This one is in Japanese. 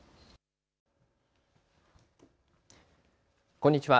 こんにちは。